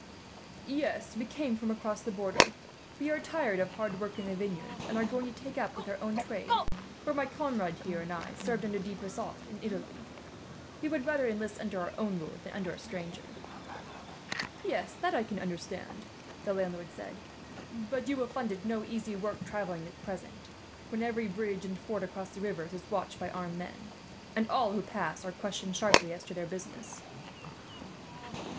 "Yes, we come from across the border. We are tired of hard work in the vineyards, and are going to take up with our own trade; for my comrade, here, and I served under De Brissac, in Italy. We would rather enlist under our own lord than under a stranger." "Yes, that I can understand," the landlord said; "but you will find it no easy work travelling, at present; when every bridge and ford across the rivers is watched by armed men, and all who pass are questioned, sharply, as to their business."